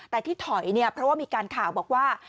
แต่ที่ถอยเนี่ยเพราะว่ามีการข่าวบอกว่า